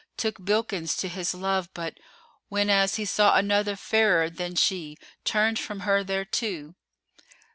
took Bilkis to his love but, whenas he saw another fairer than she, turned from her thereto."